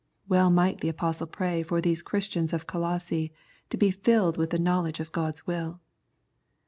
Well might the Apostle pray for these Christians of Colosse to be filled with the knowledge of God's will.